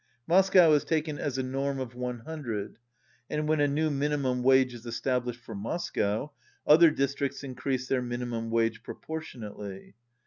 Moscow is taken as a norm of loo, and when a new minimum wage is established for Moscow other districts increase their minimum wage pro portionately.